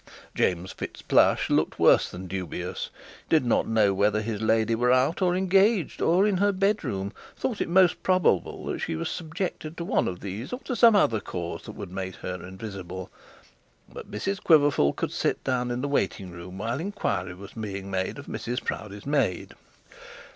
James Fitzplush looked worse than dubious, did not know whether his lady were out, or engaged, or in her bed room; thought it most probable that she was subject to one of these or to some cause that would make her invisible; but Mrs Quiverful could sit down in the waiting room, while inquiry was being made of Mrs Proudie.